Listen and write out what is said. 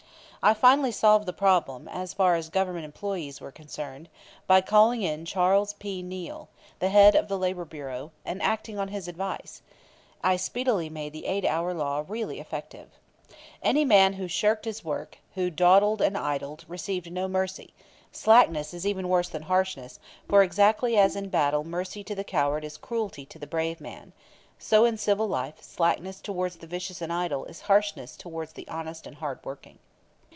I finally solved the problem, as far as Government employees were concerned, by calling in Charles P. Neill, the head of the Labor Bureau; and acting on his advice, I speedily made the eight hour law really effective. Any man who shirked his work, who dawdled and idled, received no mercy; slackness is even worse than harshness; for exactly as in battle mercy to the coward is cruelty to the brave man, so in civil life slackness towards the vicious and idle is harshness towards the honest and hardworking.